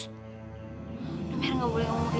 udah mer nggak boleh ngomong kayak gitu ah